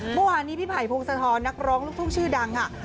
เมื่อวานนี้พี่ไผ่พงศธรนักร้องลูกทุ่งชื่อดังค่ะ